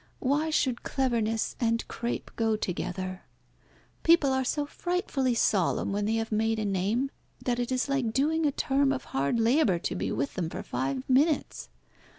Why should cleverness and crape go together? People are so frightfully solemn when they have made a name, that it is like doing a term of hard labour to be with them for five minutes.